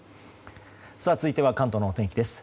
続いては関東のお天気です。